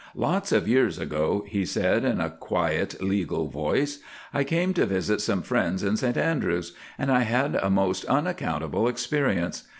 "Lots of years ago," he said, in a quiet legal voice, "I came to visit some friends in St Andrews, and I had a most unaccountable experience.